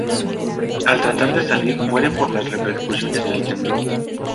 Al tratar de salir, muere por las repercusiones del temblor.